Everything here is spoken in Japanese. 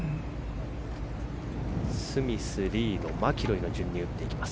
スミス、リード、マキロイの順に打っていきます。